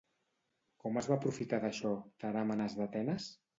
Com es va aprofitar d'això Teràmenes d'Atenes?